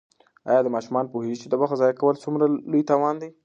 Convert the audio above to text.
آیا ماشومان پوهېږي چې د وخت ضایع کول څومره لوی تاوان دی؟